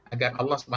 agar allah swt